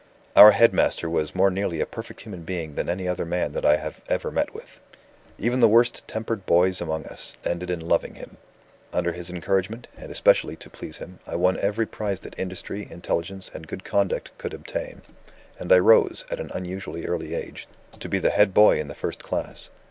"Our head master was more nearly a perfect human being than any other man that I have ever met with. Even the worst tempered boys among us ended in loving him. Under his encouragement, and especially to please him, I won every prize that industry, intelligence, and good conduct could obtain; and I rose, at an unusually early age, to be the head boy in the first class.